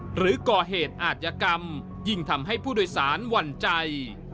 หรือก่อเหตุอาจยกรรมยิ่งทำให้ผู้โดยสารหวั่นใจ